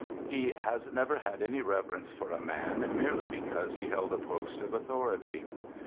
He has never had any reverence for a man merely because he held a post of authority.